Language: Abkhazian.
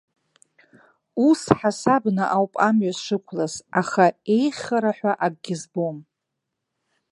Ус ҳасабны ауп амҩа сшықәлаз, аха еиӷьхара ҳәа акгьы збом.